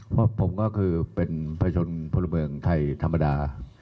เพราะผมก็คือเป็นประชนพลเมืองไทยธรรมดา